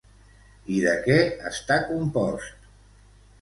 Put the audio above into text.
I de què està compost?